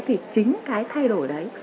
thì chính cái thay đổi đấy